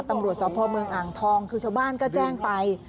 ตำรวจสพเมืองอ่างทองคือชาวบ้านก็แจ้งไป